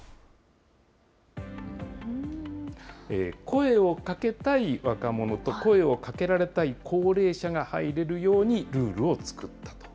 声をかけたい若者と、声をかけられたい高齢者が入れるように、ルールを作ったと。